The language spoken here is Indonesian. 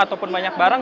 ataupun banyak barang